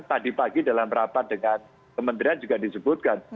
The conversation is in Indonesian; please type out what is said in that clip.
tadi pagi dalam rapat dengan kementerian juga disebutkan